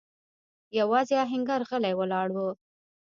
يواځې آهنګر غلی ولاړ و.